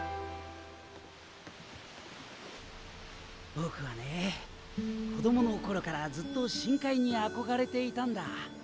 僕はね子供の頃からずっと深海に憧れていたんだ。